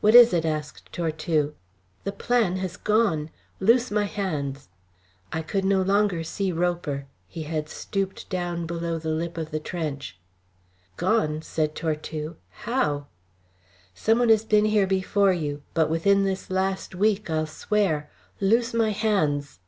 "What is it?" asked Tortue. "The plan has gone. Loose my hands!" I could no longer see Roper; he had stooped down below the lip of the trench. "Gone!" said Tortue. "How?" "Some one has been here before you, but within this last week, I'll swear. Loose my hands."